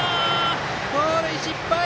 盗塁失敗！